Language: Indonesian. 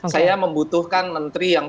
saya membutuhkan menteri yang